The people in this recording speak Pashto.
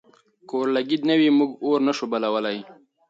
که اورلګیت نه وي، موږ اور نه شو بلولی.